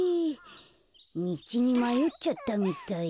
みちにまよっちゃったみたい。